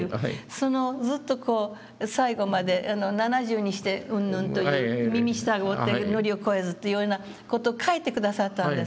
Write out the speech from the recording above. そのずっとこう最後まで「七十にして云々」という「耳順うて矩を踰えず」というような事を書いて下さったんですね。